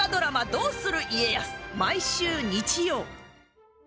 「どうする家康」毎週日曜。